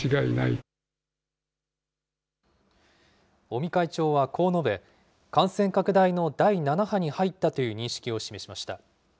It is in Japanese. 尾身会長はこう述べ、感染拡大の第７波に入ったという認識を示しました。